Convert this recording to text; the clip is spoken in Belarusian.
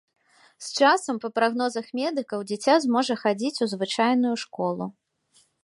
З часам, па прагнозах медыкаў, дзіця зможа хадзіць у звычайную школу.